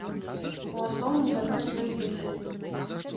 У асноўным замерзлыя дызелі.